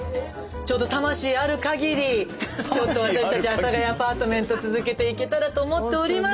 ちょっと魂あるかぎりちょっと私たち阿佐ヶ谷アパートメント続けていけたらと思っております。